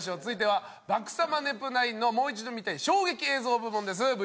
続いては爆さまネプナインのもう一度見たい衝撃映像部門です。